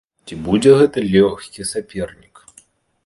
Ці будзе гэта лёгкі сапернік?